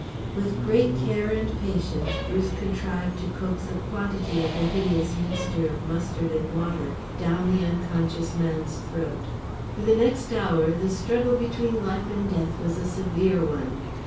With great care and patience Bruce contrived to coax a quantity of the hideous mixture of mustard and water down the unconscious man's throat. For the next hour the struggle between life and death was a severe one.